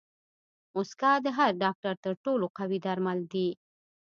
موسکا د هر ډاکټر تر ټولو قوي درمل دي.